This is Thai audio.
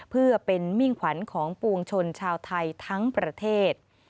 เพื่อเป็นมิ่งขวัญของปวงชนชาวไทยทั้งประเทศ